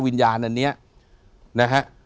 วิญญาณอันนี้นะฮะ